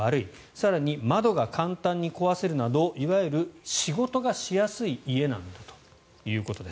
更に窓が簡単に壊せるなどいわゆる仕事がしやすい家なんだということです。